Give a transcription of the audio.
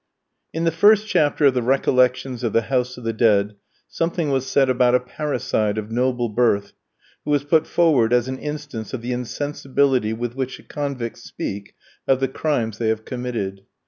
"In the first chapter of the 'Recollections of the House of the Dead,' something was said about a parricide, of noble birth, who was put forward as an instance of the insensibility with which the convicts speak of the crimes they have committed.